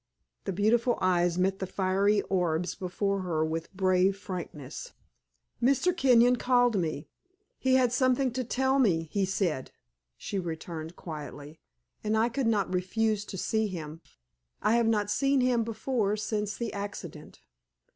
The beautiful eyes met the fiery orbs before her with brave frankness. "Mr. Kenyon called me; he had something to tell me, he said," she returned, quietly, "and I could not refuse to see him. I have not seen him before since the accident."